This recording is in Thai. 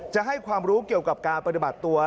จะให้ความรู้เกี่ยวกับการปฏิบัติตัว